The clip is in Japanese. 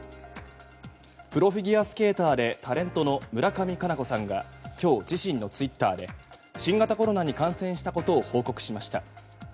プロフィギュアスケーターでタレントの村上佳菜子さんが今日、自身のツイッターで新型コロナに感染したことを報告しました。